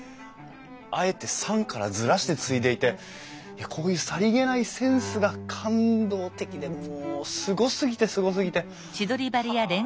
あえて桟からずらして継いでいてこういうさりげないセンスが感動的でもうすごすぎてすごすぎて。